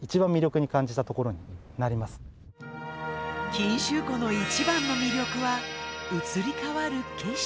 錦秋湖の一番の魅力は移り変わる景色。